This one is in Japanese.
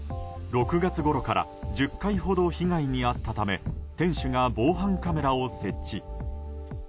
６月ごろから１０回ほど被害に遭ったため店主が防犯カメラを設置。